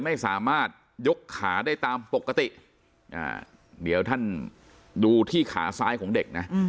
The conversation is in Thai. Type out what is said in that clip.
ไม่สามารถยกขาได้ตามปกติเดี๋ยวท่านดูที่ขาซ้ายของเด็กนะ